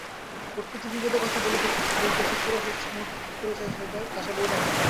লোকটি যে-বিপদের কথা বলতে এসেছিল, শেষ মুহূর্তে ঠিক করেছে তা সে বলবে না।